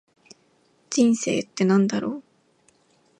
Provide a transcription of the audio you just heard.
人生って何だろう。